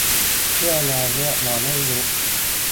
เสื้อแดงเรียกร้องให้ยุบ